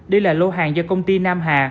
đây là lô hàng do công ty nam hà